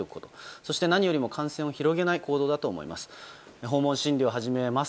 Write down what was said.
そして何よりも感染を広げない行動だと思います。